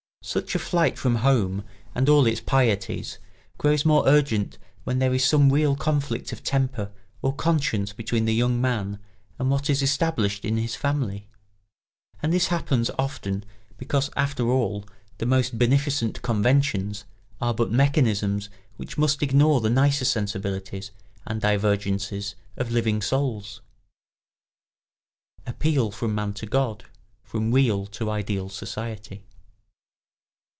Such a flight from home and all its pieties grows more urgent when there is some real conflict of temper or conscience between the young man and what is established in his family; and this happens often because, after all, the most beneficent conventions are but mechanisms which must ignore the nicer sensibilities and divergences of living souls. [Sidenote: Appeal from man to God, from real to ideal society.